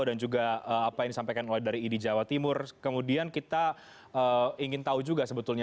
dan juga apa yang disampaikan oleh dari idi jawa timur kemudian kita ingin tahu juga sebetulnya